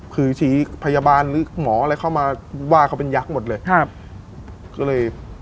คือชี้พยาบาลหรือหมออะไรเข้ามาว่าเขาเป็นยักษ์หมดเลยครับก็เลย